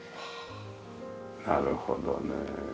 はあなるほどね。